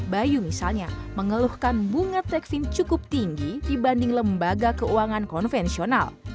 bayu misalnya mengeluhkan bunga tekvin cukup tinggi dibanding lembaga keuangan konvensional